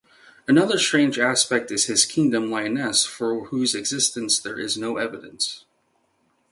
Another strange aspect is his kingdom, Lyonesse, for whose existence there is no evidence.